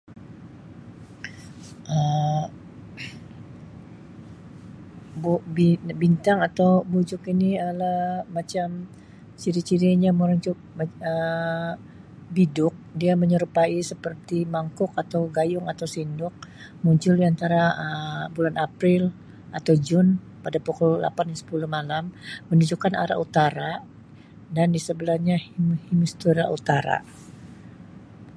Um Bu bi bintang atau bujuk ini ialah macam ciri-cirinya merujuk Um bidug dia menyerupai seperti mangkuk atau gayung atau sendok muncul di antara Um bulan april atau jun pada pukul lapan sepuluh malam menunjukkan arah utara dan disebelahnya [unintelligible] hemisfera utara.